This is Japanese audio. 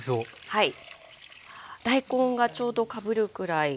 はい。